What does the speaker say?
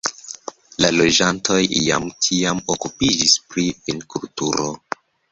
La loĝantoj jam tiam okupiĝis pri vinkulturo.